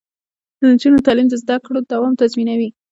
د نجونو تعلیم د زدکړو دوام تضمینوي.